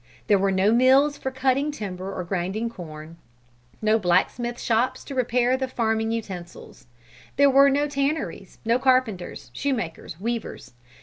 There were no mills for cutting timber or grinding corn; no blacksmith shops to repair the farming utensils. There were no tanneries, no carpenters, shoemakers, weavers.